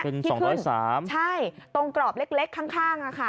เป็น๒๐๓ใช่ตรงกรอบเล็กข้างอ่ะค่ะ